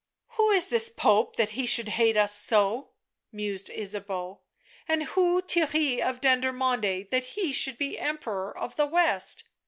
" "Who is this Pope that he should hate us so ?" mused Ysabeau. " And who Theirry of Dendermonde that he should be Emperor of the West?"